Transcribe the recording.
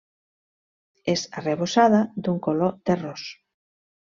És arrebossada d'un color terrós.